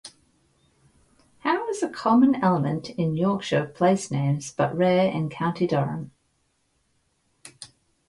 How is a common element in Yorkshire place names but rare in County Durham.